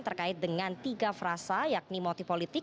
terkait dengan tiga frasa yakni multipolitik